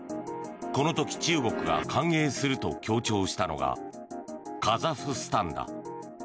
この時、中国が歓迎すると強調したのがカザフスタンだ。